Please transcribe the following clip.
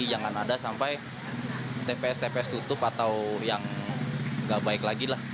jangan ada sampai tps tps tutup atau yang nggak baik lagi lah